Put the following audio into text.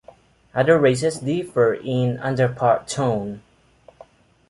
Other races differ in underpart tone.